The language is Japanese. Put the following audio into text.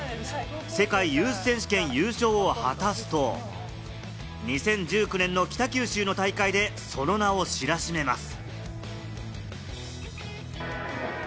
世界ユース選手権優勝を果たすと、２０１９年の北九州の大会で、その名を知らしめます。